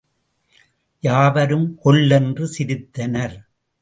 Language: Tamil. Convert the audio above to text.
யாவரும் கொல்லென்று சிரித்தனர்.